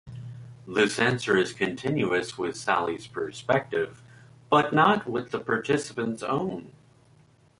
This answer is continuous with Sally's perspective, but not with the participant's own.